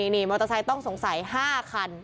นี่มอเตอร์ไซค์ต้องสงสัย๕คัน